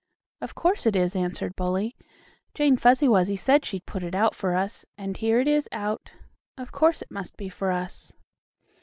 "Of course it is," answered Bully. "Jane Fuzzy Wuzzy said she'd put it out for us, and here it is out. Of course, it must be for us."